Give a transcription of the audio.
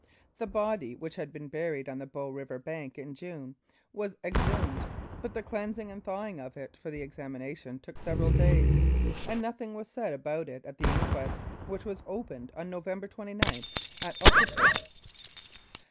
The body, which had been buried on the Bow River bank in June, was exhumed, but the cleansing and thawing of it for the examination took several days, and nothing was said about it at the inquest, which was opened on November 29, at Okotoks. Dr.